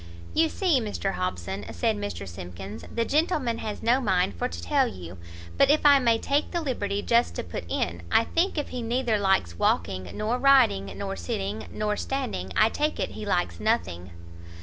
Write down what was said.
"You see, Mr Hobson," said Mr Simkins, "the gentleman has no mind for to tell you; but if I may take the liberty just to put in, I think if he neither likes walking, nor riding, nor sitting, nor standing, I take it he likes nothing."